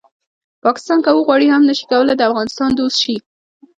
پاکستان که وغواړي هم نه شي کولی د افغانستان دوست شي